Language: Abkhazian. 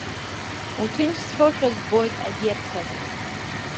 Уҭынчцәоушәа збоит, агерцог.